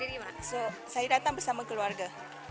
jadi saya datang bersama keluarga